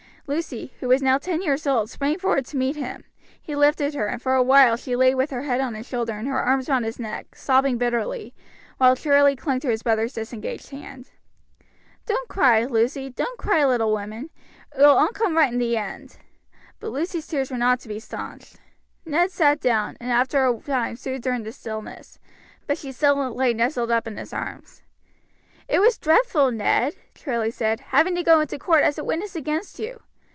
Lucy, who was now ten years old, sprang forward to meet him; he lifted her, and for awhile she lay with her head on his shoulder and her arms round his neck, sobbing bitterly, while Charlie clung to his brother's disengaged hand. "Don't cry, Lucy, don't cry little woman; it will all come right in the end;" but Lucy's tears were not to be stanched. Ned sat down, and after a time soothed her into stillness, but she still lay nestled up in his arms. "It was dreadful, Ned," Charlie said, "having to go into court as a witness against you.